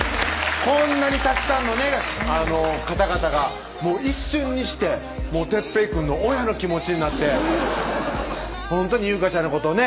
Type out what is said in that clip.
こんなにたくさんの方々が一瞬にして哲平くんの親の気持ちになってほんとに優香ちゃんのことをね